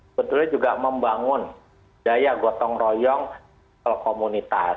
sebetulnya juga membangun daya gotong royong komunitas